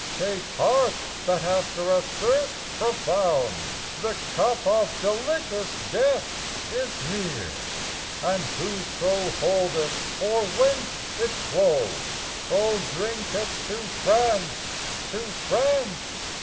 Take heart, that after a thirst profound The cup of delicious death is near, And whoso hold it, or whence it flow, O drink it to France, to France!